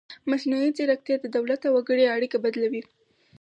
مصنوعي ځیرکتیا د دولت او وګړي اړیکه بدلوي.